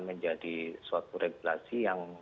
menjadi suatu regulasi yang